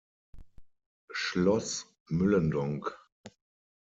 Schloss Myllendonk